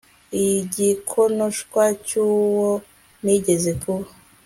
Igikonoshwa cyuwo nigeze kuba